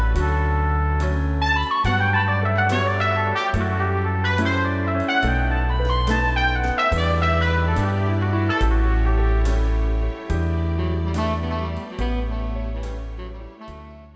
โปรดติดตามตอนต่อไป